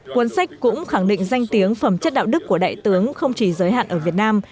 cuốn sách cũng khẳng định danh tiếng phẩm chất đạo đức của đại tướng không chỉ giới hạn ở việt nam